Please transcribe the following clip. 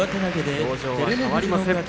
表情は変わりません。